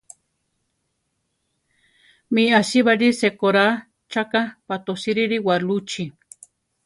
Mi asíbali sekorá chaká batosírili waʼlúchi.